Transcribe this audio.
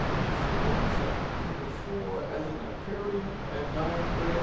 Influenza. No 4 as an aperient and diaphoretic.